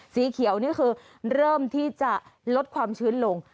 สีเขียวนี่คือเริ่มที่จะลดความชื้นลง